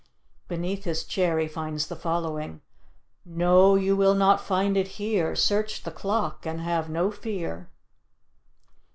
Beneath his chair he finds the following: "No, you will not find it here; Search the clock and have no fear."